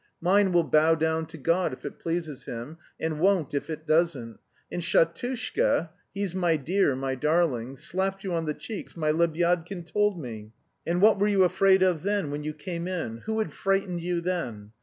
Mine will bow down to God if it pleases him, and won't if it doesn't. And Shatushka (he's my dear, my darling!) slapped you on the cheeks, my Lebyadkin told me. And what were you afraid of then, when you came in? Who had frightened you then?